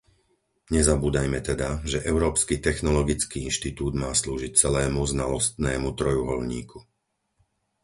Nezabúdajme teda, že Európsky technologický inštitút má slúžiť celému znalostnému trojuholníku.